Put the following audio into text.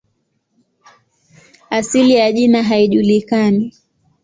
Asili ya jina haijulikani.